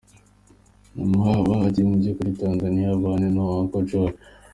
mama wabo ajye muri Tanzaniya, abane n’uwo uncle John.